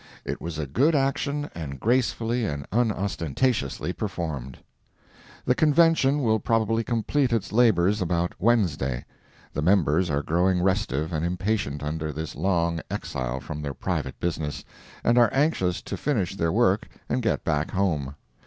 It was a good action, and gracefully and unostentatiously performed. The Convention will probably complete its labors about Wednesday. The members are growing restive and impatient under this long exile from their private business, and are anxious to finish their work and get back home.